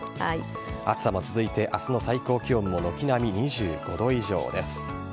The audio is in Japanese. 暑さも続いて、明日の最高気温も軒並み２５度以上です。